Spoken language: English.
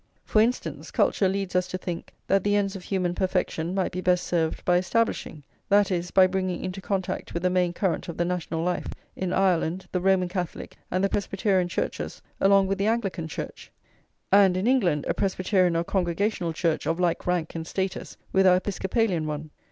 For instance: culture leads us to think that the ends of human perfection might be best served by establishing, that is, by bringing into contact with the main current of the national life, in Ireland the Roman Catholic and the Presbyterian Churches along with the Anglican Church; and, in England, a Presbyterian or Congregational Church of like rank and status with our Episcopalian one.